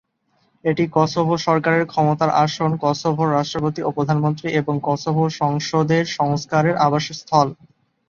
এটি কসোভো সরকারের ক্ষমতার আসন, কসোভোর রাষ্ট্রপতি ও প্রধানমন্ত্রী এবং কসোভো সংসদের সংস্কারের আবাসস্থল।